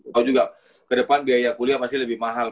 tahu juga ke depan biaya kuliah pasti lebih mahal